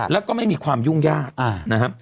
แล้วก็ไม่มีความยุ่งยาก